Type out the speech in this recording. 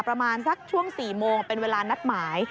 ประมาณสักช่วง๔โมงเป็นเวลานัดหมาย